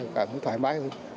cảm thấy thoải mái hơn